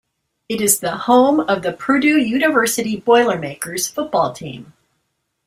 It is the home of the Purdue University Boilermakers football team.